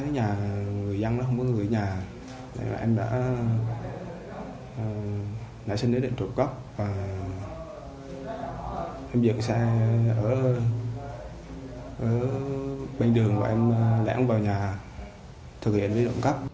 người dân không có người nhà em đã sinh đến để trộm cắp em dựng xe ở bên đường và em đã không vào nhà thực hiện với trộm cắp